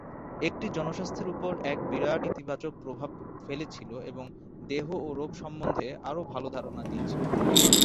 এটি জনস্বাস্থ্যের উপর এক বিরাট ইতিবাচক প্রভাব ফেলেছিল এবং দেহ ও রোগ সম্বন্ধে আরও ভাল ধারণা দিয়েছিল।